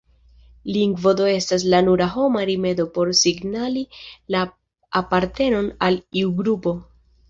Lingvo do estas la nura homa rimedo por signali la apartenon al iu grupo.